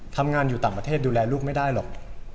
ทำงานอยู่ต่างประเทศดูแลลูกไม่ได้หรอก